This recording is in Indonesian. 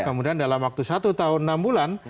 kemudian dalam waktu satu tahun enam bulan